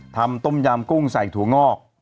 ต้มยำกุ้งใส่ถั่วงอก